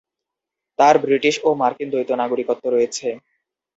তার ব্রিটিশ ও মার্কিন দ্বৈত নাগরিকত্ব রয়েছে।